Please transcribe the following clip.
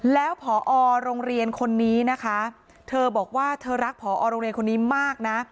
แล้วพอโรงเรียนคนนี้นะคะเธอบอกว่าเธอรักผอโรงเรียนคนนี้มากนะ